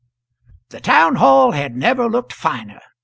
The town hall had never looked finer.